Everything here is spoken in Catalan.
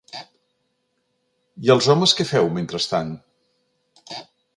I els homes què feu, mentrestant?